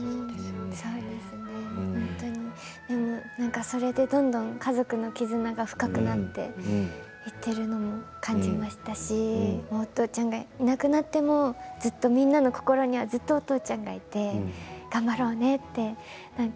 そうですね、本当にそれでどんどん家族の絆が深くなっていっているのも感じましたしお父ちゃんが亡くなってもずっとみんなの心にはずっとお父ちゃんがいて頑張ろうねって。